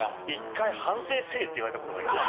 １回反省せぇ！って言われたことがあります。